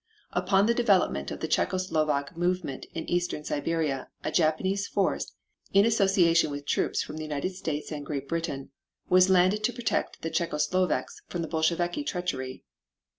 Upon the development of the Czecho Slovak movement in Eastern Siberia a Japanese force, in association with troops from the United States and Great Britain, was landed to protect the Czecho Slovaks from Bolsheviki treachery.